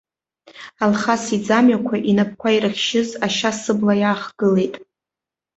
Алхас иӡамҩақәа, инапқәа ирыхьшьыз ашьа сыбла иаахгылеит.